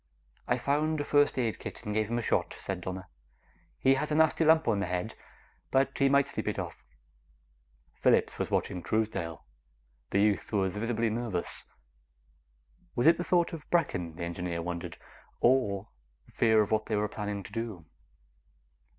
"I found a first aid kit and gave him a shot," said Donna. "He has a nasty lump on the head, but he might sleep it off." Phillips was watching Truesdale. The youth was visibly nervous. Was it the thought of Brecken, the engineer wondered, or fear of what they were planning to do?